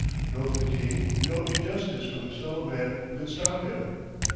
No fatigue, no injustice from his fellow men could stop him.